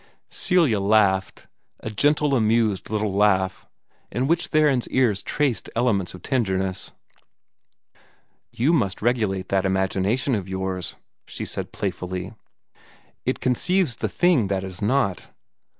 Celia laughed a gentle, amused little laugh, in which Theron's ears traced elements of tenderness. "You must regulate that imagination of yours," she said playfully. "It conceives the thing that is not.